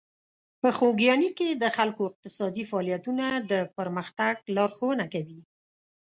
په خوږیاڼي کې د خلکو اقتصادي فعالیتونه د پرمختګ لارښوونه کوي.